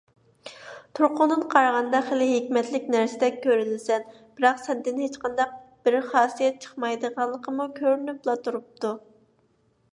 تۇرقۇڭدىن قارىغاندا، خېلى ھېكمەتلىك نەرسىدەك كۆرۈنىسەن. بىراق، سەندىن ھېچقانداق بىر خاسىيەت چىقمايدىغانلىقىمۇ كۆرۈنۈپلا تۇرۇپتۇ.